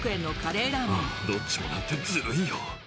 どっちもなんてずるいよ。